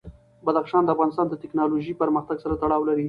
بدخشان د افغانستان د تکنالوژۍ پرمختګ سره تړاو لري.